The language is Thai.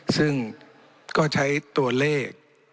ซึ่งก็ใช้ตัวเลข